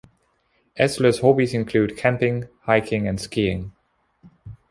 Esler's hobbies include camping, hiking and skiing.